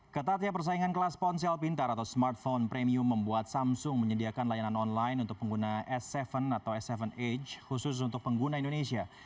ketatnya persaingan kelas ponsel pintar atau smartphone premium membuat samsung menyediakan layanan online untuk pengguna s tujuh atau s tujuh age khusus untuk pengguna indonesia